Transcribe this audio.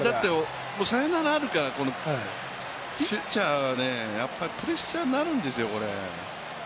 サヨナラあるから、ピッチャーがプレッシャーになるんですよ。